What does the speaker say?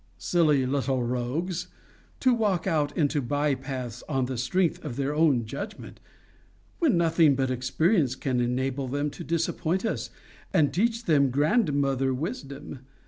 Silly little rogues! to walk out into bye paths on the strength of their own judgment! When nothing but experience can enable them to disappoint us, and teach them grandmother wisdom!